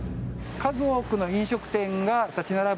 数多くの飲食店が立ち並ぶ